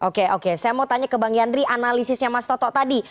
oke oke saya mau tanya ke bang yandri analisisnya mas toto tadi